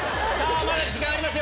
まだ時間ありますよ。